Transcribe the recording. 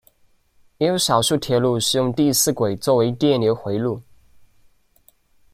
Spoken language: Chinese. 也有少数铁路使用第四轨作为电流回路。